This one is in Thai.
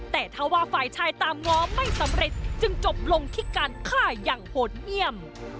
แต่ถ้าว่าฝ่ายชายตามง้อไม่สำเร็จจึงจบลงที่การฆ่าอย่างโหดเยี่ยม